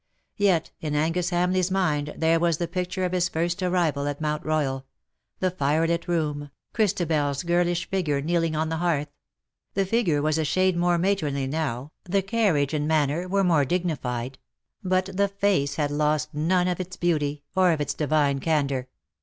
Yet in Angus HamleigVs mind there was the picture of his first arrival at Mount Eoyal — the firelit room, Christabel's girlish figure kneeling on the hearth. The figure was a shade more matronly now, the carriage and manner were more dignified ; but the face had lost none of its beauty, or of its divine candour.